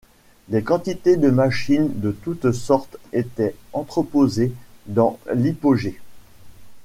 Des quantités de machines de toutes sortes étaient entreposées dans l'hypogée.